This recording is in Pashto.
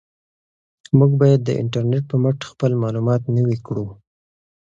موږ باید د انټرنیټ په مټ خپل معلومات نوي کړو.